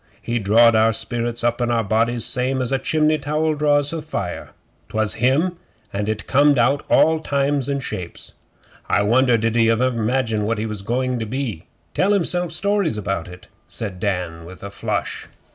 He drawed our spirits up In our bodies same as a chimney towel draws a fire. 'Twas in him, and it comed out all times and shapes.' 'I wonder did he ever 'magine what he was going to be? Tell himself stories about it?' said Dan with a flush.